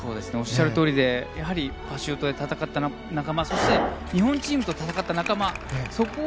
おっしゃるとおりでパシュートで戦った仲間そして、日本チームと戦った仲間。